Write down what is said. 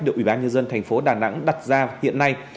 được ủy ban nhân dân thành phố đà nẵng đặt ra hiện nay